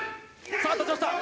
さあ立ちました